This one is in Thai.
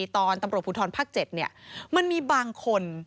ตอนตำรวจภูทรภาค๗มันมีบางคน